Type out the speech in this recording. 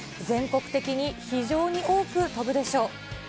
全国的に非常に多く飛ぶでしょう。